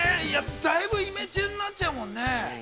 だいぶイメチェンになっちゃうのね。